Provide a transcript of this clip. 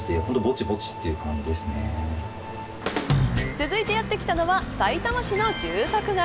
続いてやってきたのはさいたま市の住宅街。